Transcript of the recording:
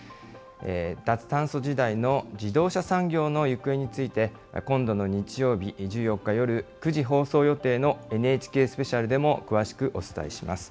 脱炭素時代の自動車産業の行方について、今度の日曜日、１４日夜９時放送予定のＮＨＫスペシャルでも、詳しくお伝えします。